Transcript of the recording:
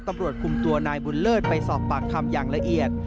ตำรวจคุมตัวนายบุญเลิศไปสอบปากคำอย่างละเอียด